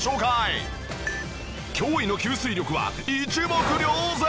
驚異の吸水力は一目瞭然！